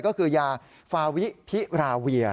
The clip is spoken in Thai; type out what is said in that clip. ก็คือยาฟาวิพิราเวีย